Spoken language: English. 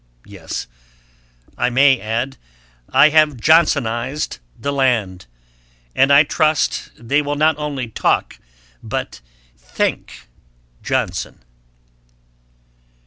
Yes, I may add, I have Johnsonised the land; and I trust they will not only talk, but think, Johnson.